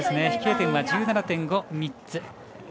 飛型点は１７．５、３つ。